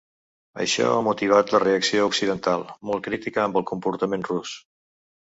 Això ha motivat la reacció occidental, molt crítica amb el comportament rus.